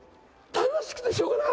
楽しくてしょうがない。